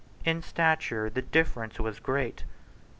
In stature the difference was great.